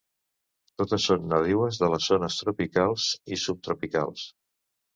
Totes són nadiues de les zones tropicals i subtropicals.